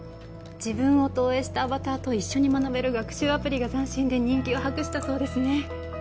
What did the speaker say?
自分を投影したアバターと一緒に学べる学習アプリが斬新で人気を博したそうですね